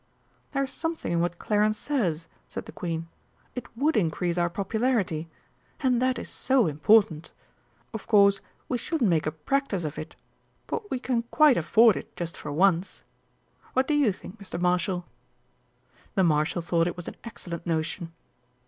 "There's something in what Clarence says," said the Queen. "It would increase our popularity and that is so important. Of course we shouldn't make a practice of it, but we can quite afford it, just for once what do you think, Mr. Marshal?" The Marshal thought it was an excellent notion.